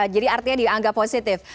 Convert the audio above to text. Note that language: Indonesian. jadi artinya dianggap positif